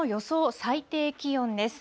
最低気温です。